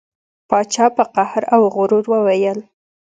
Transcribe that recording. پاچا په قهر او غرور وویل.